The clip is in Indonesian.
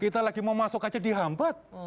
kita mau masuk aja di hambat